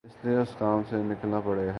اس لیے اُسے کام سے نکالنا پڑا ہے